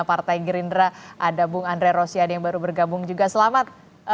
partai gerindra ada bung andre rosiade yang baru bergabung juga selamat